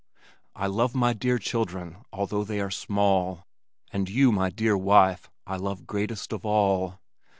I love my dear children although they are small And you, my dear wife, I love greatest of all.